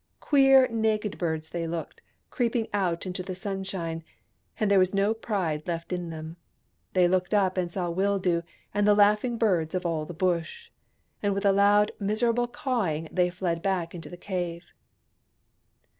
Queer, naked birds they looked, creeping out into the sun shine, and there was no pride left in them. They looked up and saw Wildoo and the laughing birds of all the Bush ; and with a loud miserable cawing they fled back into the cave.